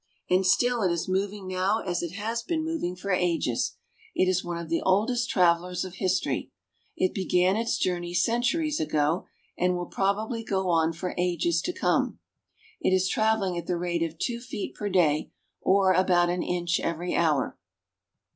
And still it is moving now as it has been moving for ages. It is one of the oldest travelers of history. It began its 258 SWITZERLAND. journey centuries ago, and it will probably go on for ages to come. It is traveling at the rate of two feet per day, or about an inch every hour.